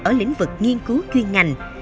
ở lĩnh vực nghiên cứu chuyên ngành